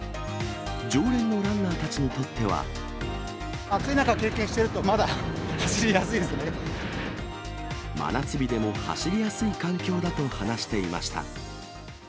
常連のランナーたちにとって暑い中、経験していると、真夏日でも走りやすい環境だと話していました。